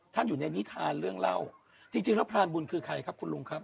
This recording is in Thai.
ท่านอยู่ในนิทานเรื่องเล่าจริงแล้วพรานบุญคือใครครับคุณลุงครับ